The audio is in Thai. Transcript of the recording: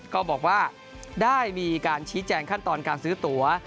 ก็บอกว่าได้มีการชี้แจงขั้นตอนการซื้อตัว